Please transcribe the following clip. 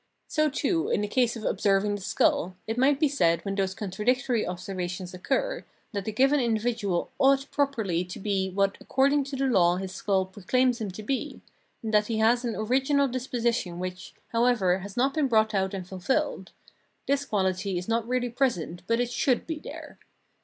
So too in the case of observing the skull, it might be said when those contradictory observations occur, that the given individual ought properly to be what according to the law his skuU proclaims him to be, and that he has an original disposition which, however, has not been brought o'lt and fulfilled : this quality is not reaUy present, but it should be there.